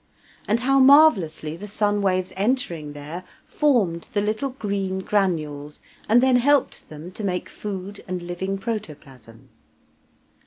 And how marvellously the sun waves entering there formed the little green granules, and then helped them to make food and living protoplasm!